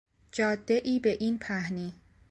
جادهای به این پهنی